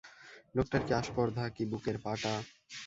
লোকটার কী আস্পর্ধা, কী বুকের পাটা!